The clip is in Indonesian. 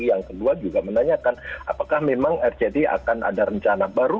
yang kedua juga menanyakan apakah memang rced akan ada rencana baru